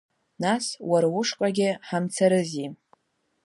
Нас уара ушҟагьы ҳамцарызи.